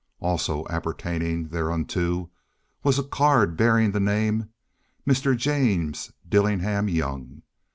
Also appertaining thereunto was a card bearing the name "Mr. James Dillingham Young."